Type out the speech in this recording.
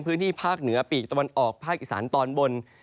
พื้นที่ภาคเหนือปีกตะวันออกภาคอีสานตอนบน